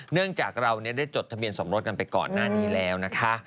เนื่องจากเราได้จดทะเบียนสมรสกันไปก่อนหน้านี้แล้วนะคะ